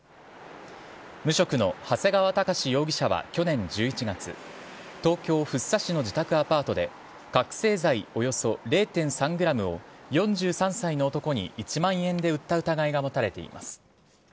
無職の長谷川卓史容疑者は去年１１月東京福生市の自宅アパートで覚醒剤およそ０．３ｇを４３歳の男に１万円で売った疑いが持たれています。